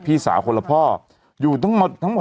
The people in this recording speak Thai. ชอบคุณครับ